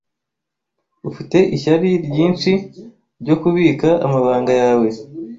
Ufite ishyari ryinshi ryo kubika amabanga yawe